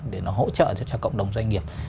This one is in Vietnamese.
để nó hỗ trợ cho cộng đồng doanh nghiệp